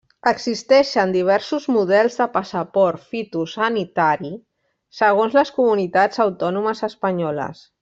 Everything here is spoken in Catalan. Existeixen diversos models de passaport fitosanitari segons les comunitats Autònomes espanyoles.